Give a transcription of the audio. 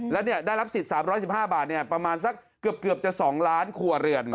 แล้วได้รับสิทธิ์๓๑๕บาทประมาณสักเกือบจะ๒ล้านครัวเรือน